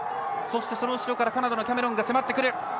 そして、その後ろからカナダのキャメロンが迫ってくる。